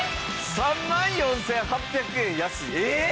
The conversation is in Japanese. ３万４８００円安い。